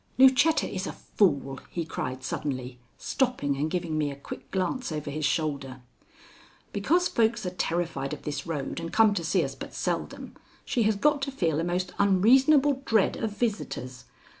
"Lucetta is a fool," he cried suddenly, stopping and giving me a quick glance over his shoulder. "Because folks are terrified of this road and come to see us but seldom, she has got to feel a most unreasonable dread of visitors.